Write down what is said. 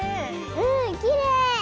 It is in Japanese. うんきれい！